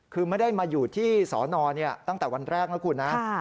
คือไม่ได้มาอยู่ที่สอนอตั้งแต่วันแรกนะคุณนะ